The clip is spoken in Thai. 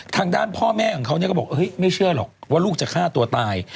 ทางด้านพ่อแม่ของเขาก็บอกไม่เชื่อหรอกว่าลูกจะฆ่าตัวตาย